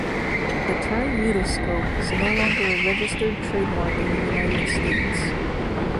The term "Mutoscope" is no longer a registered trademark in the United States.